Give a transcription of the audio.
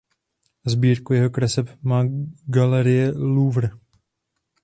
Sbírku jeho kreseb má galerie Louvre.